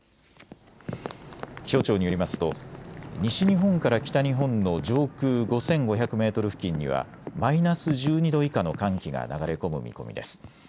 気象庁によりますと西日本から北日本の上空５５００メートル付近にはマイナス１２度以下の寒気が流れ込む見込みです。